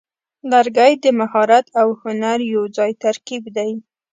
لرګی د مهارت او هنر یوځای ترکیب دی.